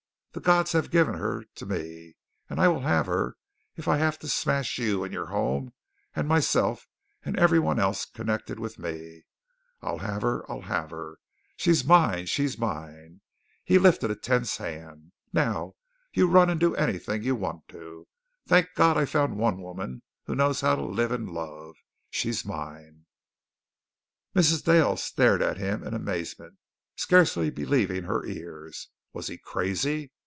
The Gods have given her to me, and I will have her if I have to smash you and your home and myself and everyone else connected with me. I'll have her! I'll have her! She is mine! She is mine!" He lifted a tense hand. "Now you run and do anything you want to. Thank God, I've found one woman who knows how to live and love. She's mine!" Mrs. Dale stared at him in amazement, scarcely believing her ears. Was he crazy?